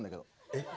えっ。